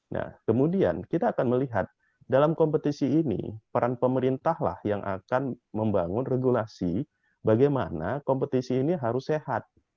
nah kemudian kita akan melihat dalam kompetisi ini peran pemerintah lah yang akan membangun regulasi bagaimana kompetisi ini harus sehat